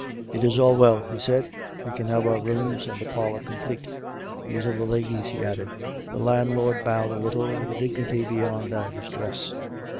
" It is all well," he said. " We can have our rooms and the parlour complete. These are the ladies," he added. The landlord bowed a little, with a dignity beyond that of his dress.